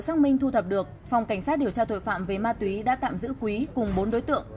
quá trình theo dõi trong thời gian vừa rồi tần suất giao dịch mua bán ma túy và sử dụng trái phép chân ma túy của các đối tượng